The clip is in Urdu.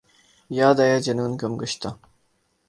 یاد آیا جنون گم گشتہ